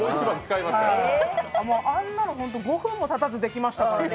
あんなの５分もたたずにできましたからね。